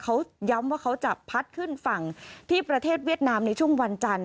เขาย้ำว่าเขาจะพัดขึ้นฝั่งที่ประเทศเวียดนามในช่วงวันจันทร์